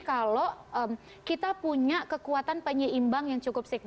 kalau kita punya kekuatan penyeimbang yang cukup signifikan